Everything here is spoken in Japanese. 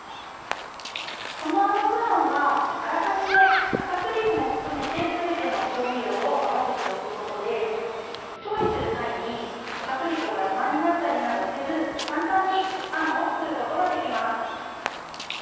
この甘酢あんはあらかじめ、かたくり粉も含めてすべての調味料を合わせておくことで調理する際に、かたくり粉がダマになったりなどせず簡単にあんを作ることができます。